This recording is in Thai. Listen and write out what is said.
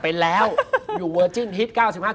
เป็นแล้วอยู่เวอร์จิ้นฮิต๙๕